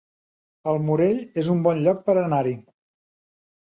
El Morell es un bon lloc per anar-hi